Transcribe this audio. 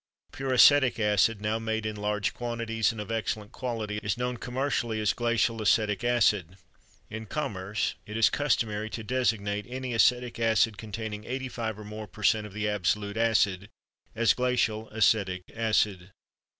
Pure acetic acid, now made in large quantities and of excellent quality, is known commercially as glacial acetic acid. In commerce, it is customary to designate any acetic acid containing 85 or more per cent of the absolute acid, as glacial acetic acid.